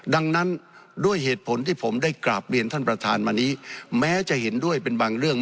ดังนั้นด้วยเหตุผลที่ผมได้กราบเรียนท่านประธานมานี้แม้จะเห็นด้วยเป็นบางเรื่อง